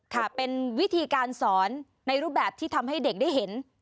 ค่ะเป็นวิธีการสอนในรูปแบบที่ทำให้เด็กได้เห็น